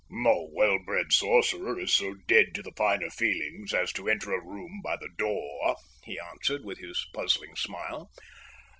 "No well bred sorcerer is so dead to the finer feelings as to enter a room by the door," he answered, with his puzzling smile.